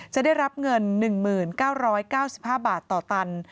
จะได้รับเงิน๑๙๙๕บาทต่อตัน